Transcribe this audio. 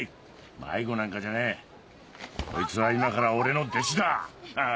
迷子なんかじゃねえこいつは今から俺の弟子だ！ハハハ。